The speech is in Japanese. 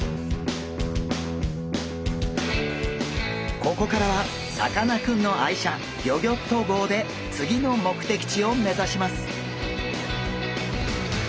ここからはさかなクンの愛車ギョギョッと号で次の目的地を目指します。